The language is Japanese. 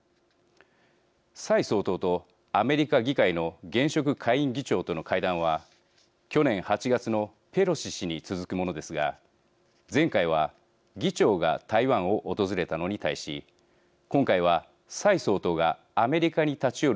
蔡総統とアメリカ議会の現職下院議長との会談は去年８月のペロシ氏に続くものですが前回は議長が台湾を訪れたのに対し今回は蔡総統がアメリカに立ち寄る形を取りました。